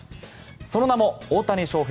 その名も大谷翔平